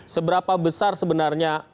seberapa besar sebenarnya